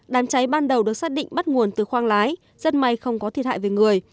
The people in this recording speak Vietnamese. đám cháy ban đầu được xác định bắt nguồn từ khoang lái rất may không có thiệt hại về người